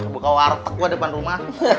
buka warteg depan rumah